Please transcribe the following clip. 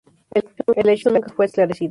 El hecho nunca fue esclarecido.